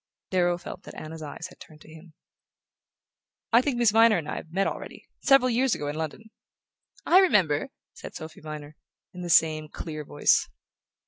Darrow felt that Anna's eyes had turned to him. "I think Miss Viner and I have met already several years ago in London." "I remember," said Sophy Viner, in the same clear voice.